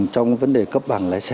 trong vấn đề cấp bằng lái xe